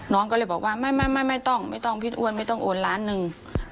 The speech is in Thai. น้องก็เลยบอกว่าไม่ต้องไม่ต้องพี่อ้วนไม่ต้องโอนล้านหนึ่ง